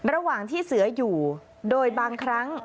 ระหว่างที่เสืออยู่โดยบางครั้ง